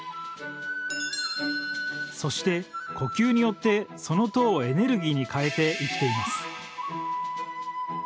そして呼吸によってその糖をエネルギーにかえて生きています。